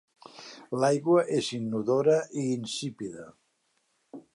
L'aigua és inodora i insípida.